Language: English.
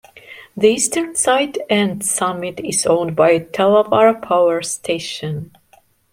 The eastern side and summit is owned by Tallawarra Power Station.